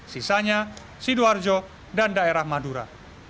sisanya sidoarjo dan daerah madura